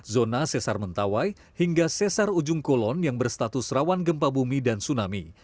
zona sesar mentawai hingga sesar ujung kolon yang berstatus rawan gempa bumi dan tsunami